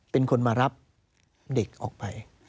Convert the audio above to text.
เป็นคนมารับเด็กออกไป